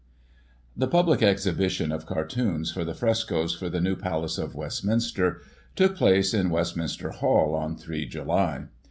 The public exhibition of Cartoons for the frescoes for the new PcJace of Westminster, took place in Westminster Hall, on 3 July.